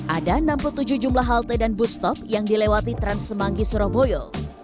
ada enam puluh tujuh jumlah halte dan bustop yang dilewati trans semanggi surabaya